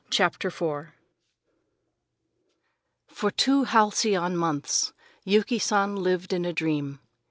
CHAPTER IV For two halcyon months Yuki San lived in a dream.